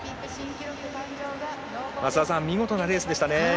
増田さん、見事なレースでしたね。